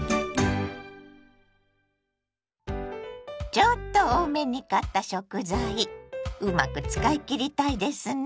ちょっと多めに買った食材うまく使い切りたいですね。